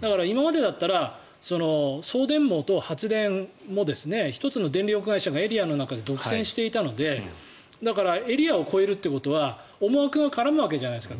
だから今までだったら送電網と発電も１つの電力会社がエリアの中で独占していたのでだからエリアを越えるってことは思惑が絡むわけじゃないですか。